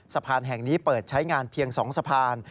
สะพานแห่งนี้เปิดใช้งานเพียง๒สะพาน